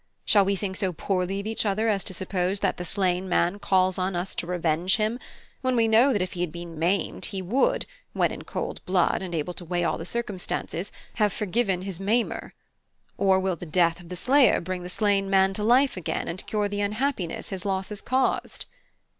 Shall we think so poorly of each other as to suppose that the slain man calls on us to revenge him, when we know that if he had been maimed, he would, when in cold blood and able to weigh all the circumstances, have forgiven his manner? Or will the death of the slayer bring the slain man to life again and cure the unhappiness his loss has caused?"